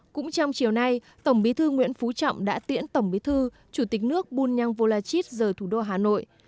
cũng trong chiều nay tổng bí thư nguyễn phú trọng đã tiễn tổng bí thư chủ tịch nước bunyang volachit rời thủ đô hà nội